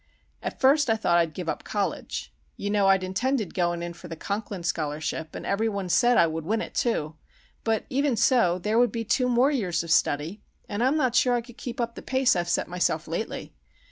At first, I thought I'd give up college (you know, I'd intended going in for the Conklin Scholarship, and every one said I would win it, too), but even so there would be two more years of study, and I'm not sure I could keep up the pace I've set myself lately.